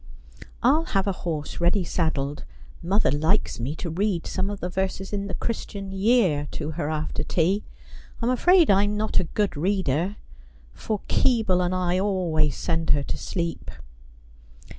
' I'll have a horse ready saddled. Mother likes me to read some of the verses in the " Christian Year " to her after tea. I'm afraid I'm not a good reader, for Keble and I always send her to sleep.'